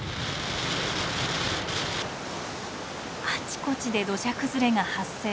あちこちで土砂崩れが発生。